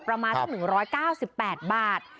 ประมาณสัก๑๙๘บาท